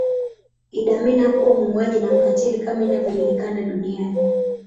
Idi Amin hakuwa muuaji na mkatili kama inavyojulikana duniani